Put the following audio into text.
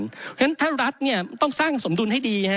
เพราะฉะนั้นถ้ารัฐต้องสร้างสมดุลให้ดี